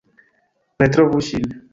Retrovu ŝin!